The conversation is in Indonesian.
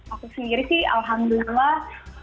aku sendiri sih alhamdulillah